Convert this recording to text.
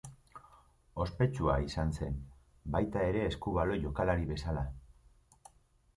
Ospetsua izan zen, baita ere, eskubaloi jokalari bezala.